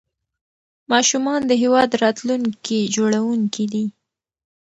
ماشومان د هیواد راتلونکي جوړونکي دي.